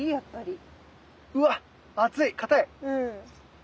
うわっ厚い硬い！